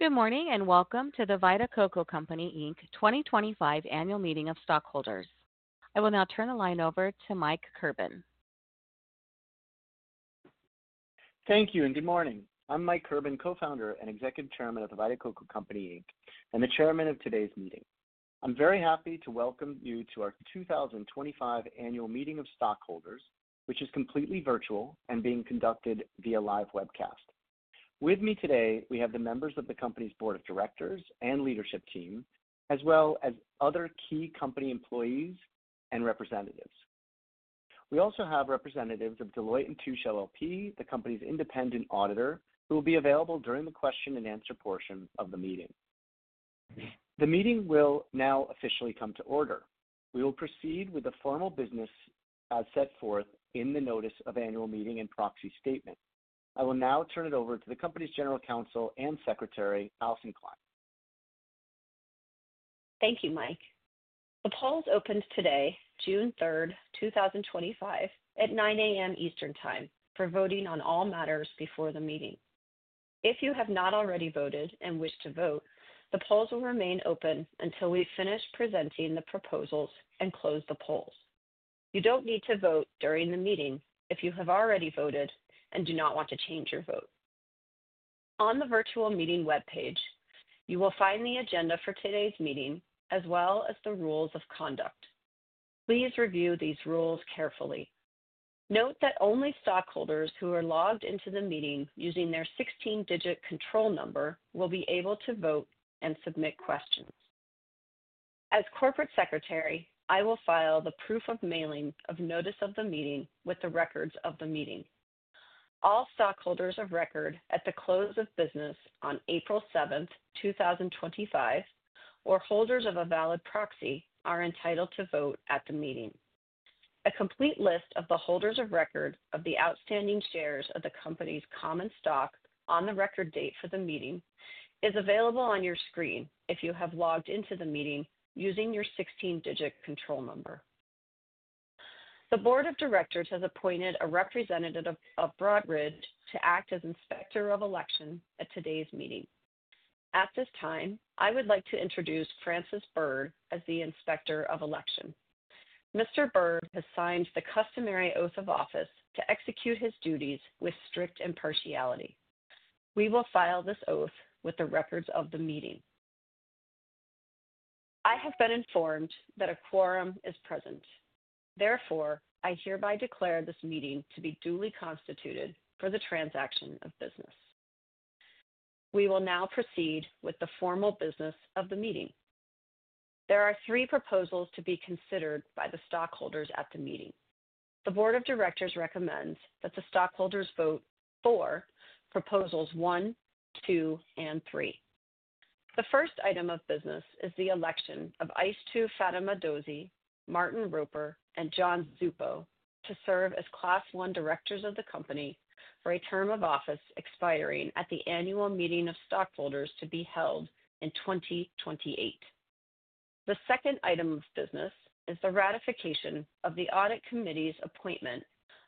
Good morning and welcome to the Vita Coco Company 2025 Annual Meeting of Stockholders. I will now turn the line over to Mike Kirban. Thank you and good morning. I'm Mike Kirban, Co-founder and Executive Chairman of The Vita Coco Company and the Chairman of today's meeting. I'm very happy to welcome you to our 2025 Annual Meeting of Stockholders, which is completely virtual and being conducted via live webcast. With me today, we have the members of the company's board of directors and leadership team, as well as other key company employees and representatives. We also have representatives of Deloitte & Touche LLP, the company's independent auditor, who will be available during the question and answer portion of the meeting. The meeting will now officially come to order. We will proceed with the formal business as set forth in the Notice of Annual Meeting and Proxy Statement. I will now turn it over to the company's General Counsel and Secretary, Alison Klein. Thank you, Mike. The polls opened today, June 3, 2025, at 9:00 A.M. Eastern Time for voting on all matters before the meeting. If you have not already voted and wish to vote, the polls will remain open until we finish presenting the proposals and close the polls. You don't need to vote during the meeting if you have already voted and do not want to change your vote. On the virtual meeting webpage, you will find the agenda for today's meeting as well as the rules of conduct. Please review these rules carefully. Note that only stockholders who are logged into the meeting using their 16-digit control number will be able to vote and submit questions. As Corporate Secretary, I will file the proof of mailing of notice of the meeting with the records of the meeting. All stockholders of record at the close of business on April 7th, 2025, or holders of a valid proxy are entitled to vote at the meeting. A complete list of the holders of record of the outstanding shares of the company's common stock on the record date for the meeting is available on your screen if you have logged into the meeting using your 16-digit control number. The Board of Directors has appointed a representative of Broadridge to act as inspector of election at today's meeting. At this time, I would like to introduce Francis Byrd as the Inspector of Election. Mr. Byrd has signed the customary oath of office to execute his duties with strict impartiality. We will file this oath with the records of the meeting. I have been informed that a quorum is present. Therefore, I hereby declare this meeting to be duly constituted for the transaction of business. We will now proceed with the formal business of the meeting. There are three proposals to be considered by the stockholders at the meeting. The board of directors recommends that the stockholders vote for proposals one, two, and three. The first item of business is the election of Aishetu Fatima Dozie, Martin Roper, and John Zupo to serve as Class I Directors of the company for a term of office expiring at the Annual Meeting of Stockholders to be held in 2028. The second item of business is the ratification of the audit committee's appointment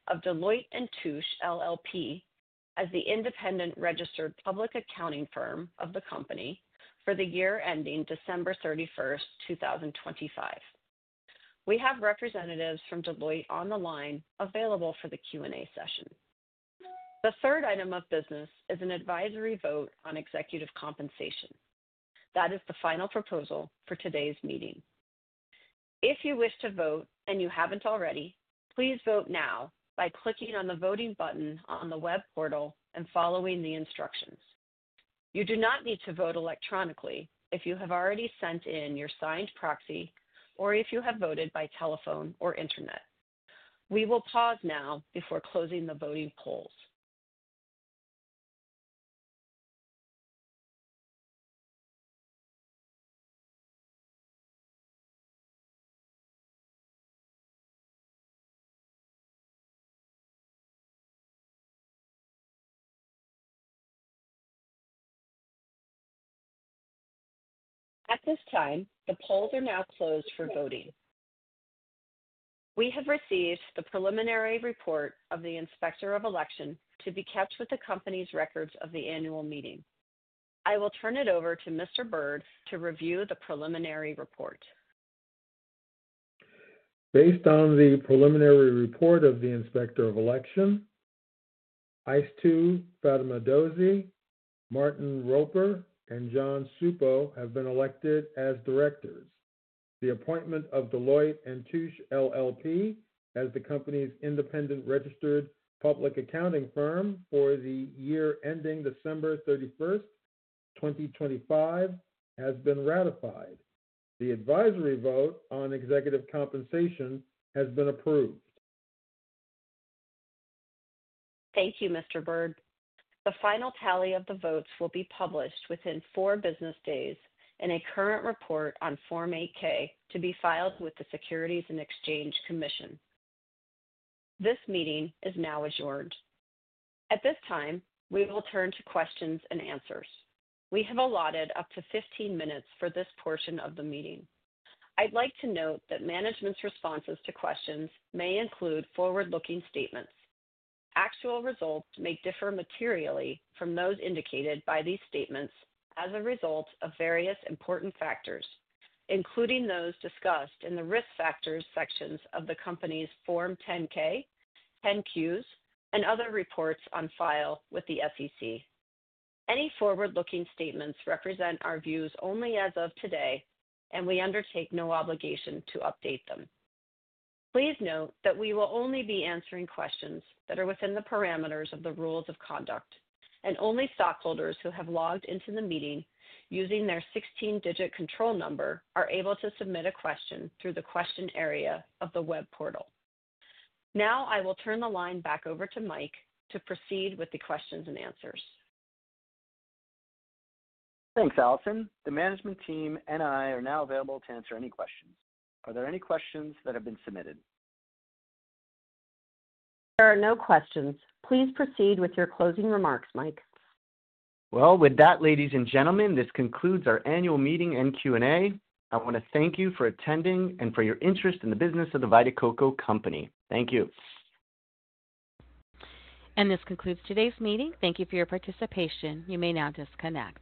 of Deloitte & Touche LLP as the independent registered public accounting firm of the company for the year ending December 31, 2025. We have representatives from Deloitte on the line available for the Q&A session. The third item of business is an advisory vote on Executive Compensation. That is the final proposal for today's meeting. If you wish to vote and you haven't already, please vote now by clicking on the voting button on the web portal and following the instructions. You do not need to vote electronically if you have already sent in your signed proxy or if you have voted by telephone or internet. We will pause now before closing the voting polls. At this time, the polls are now closed for voting. We have received the preliminary report of the inspector of election to be kept with the company's records of the annual meeting. I will turn it over to Mr. Byrd to review the preliminary report. Based on the preliminary report of the inspector of election, Aishetu Fatima Dozie, Martin Roper, and John Zupo have been elected as Directors. The appointment of Deloitte & Touche LLP as the company's independent registered public accounting firm for the year ending December 31, 2025, has been ratified. The advisory vote on executive compensation has been approved. Thank you, Mr. Byrd. The final tally of the votes will be published within four business days in a current report on Form 8-K to be filed with the Securities and Exchange Commission. This meeting is now adjourned. At this time, we will turn to questions and answers. We have allotted up to 15 minutes for this portion of the meeting. I'd like to note that management's responses to questions may include forward-looking statements. Actual results may differ materially from those indicated by these statements as a result of various important factors, including those discussed in the risk factors sections of the company's Form 10-K, 10-Qs, and other reports on file with the SEC. Any forward-looking statements represent our views only as of today, and we undertake no obligation to update them. Please note that we will only be answering questions that are within the parameters of the rules of conduct, and only stockholders who have logged into the meeting using their 16-digit control number are able to submit a question through the question area of the web portal. Now I will turn the line back over to Mike to proceed with the questions and answers. Thanks, Alison. The management team and I are now available to answer any questions. Are there any questions that have been submitted? There are no questions. Please proceed with your closing remarks, Mike. Ladies and gentlemen, this concludes our annual meeting and Q&A. I want to thank you for attending and for your interest in the business of the Vita Coco Company. Thank you. This concludes today's meeting. Thank you for your participation. You may now disconnect.